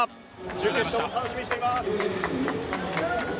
準決勝も楽しみにしています！